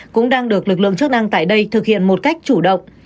cũng đang được lực lượng chức năng tại đây thực hiện một cách chủ động